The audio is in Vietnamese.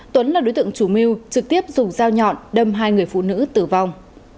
tuấn là đối tượng chủ mưu trực tiếp dùng dao nhọn đâm hai người phụ nữ tử vong